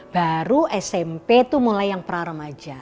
baru smp itu mulai yang praroma aja